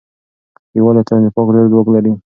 یووالی تر نفاق ډېر ځواک لري.